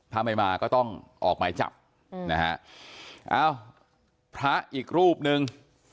ถ้าไม่มาก็ต้องออกหมายจับนะฮะอ้าวพระอีกรูปหนึ่ง